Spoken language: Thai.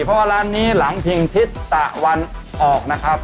เพราะว่าร้านนี้หลังพิงทิศตะวันออกนะครับ